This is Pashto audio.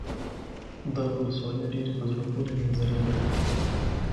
دغه ولسوالي ډېرې په زړه پورې منظرې لري.